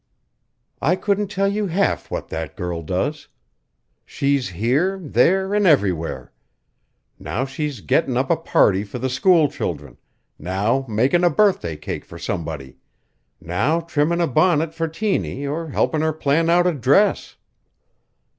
I couldn't tell you half what that girl does. She's here, there, an' everywhere. Now she's gettin' up a party for the school children; now makin' a birthday cake for somebody; now trimmin' a bunnit for Tiny or helpin' her plan out a dress."